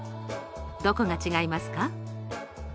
どこが違いますか？